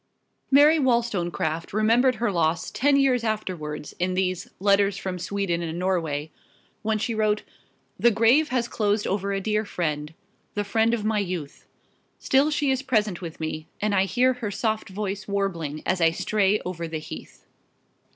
Mary Wollstonecraft remembered her loss ten years afterwards in these "Letters from Sweden and Norway," when she wrote: "The grave has closed over a dear friend, the friend of my youth; still she is present with me, and I hear her soft voice warbling as I stray over the heath."